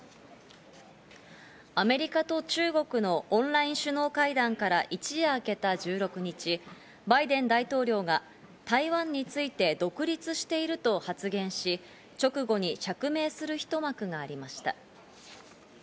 アメリカと中国のオンライン首脳会談から一夜明けた１６日、バイデン大統領が台湾について独立していると発言し、直後に釈明する一幕がありました。